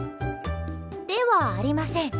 ではありません。